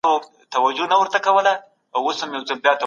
کوم طبیعي مشروبات د رواني روغتیا لپاره زیات اغېزناک دي؟